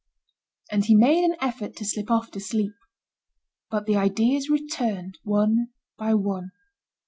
And he made an effort to slip off to sleep. But the ideas returned one by one.